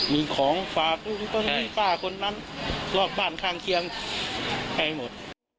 มีของฝากลูกป้าคนนั้นลอกบ้านข้างเคียงให้หมด